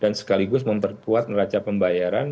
dan sekaligus memperkuat meraca pembayaran